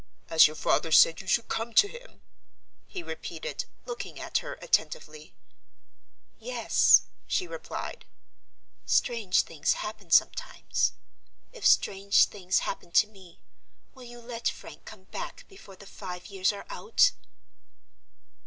"As your father said you should come to him?" he repeated, looking at her attentively. "Yes," she replied. "Strange things happen sometimes. If strange things happen to me will you let Frank come back before the five years are out?"